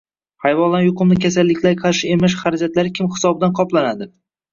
Hayvonlarni yuqumli kasalliklarga qarshi emlash xarajatlari kim hisobidan qoplanadi?